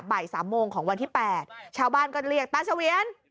บ่าย๓โมงของวันที่๘ชาวบ้านก็เรียกตาเฉวียน